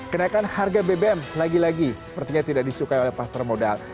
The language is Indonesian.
kenaikan harga bbm lagi lagi sepertinya tidak disukai oleh pasar modal